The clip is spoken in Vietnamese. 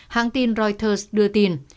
hãng tin reuters đưa tin